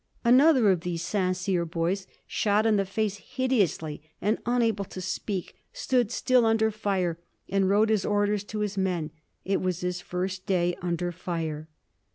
Another of these St. Cyr boys, shot in the face hideously and unable to speak, stood still under fire and wrote his orders to his men. It was his first day under fire.